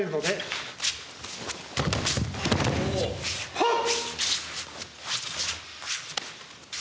はっ！